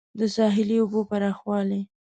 د ساحلي اوبو پراخوالی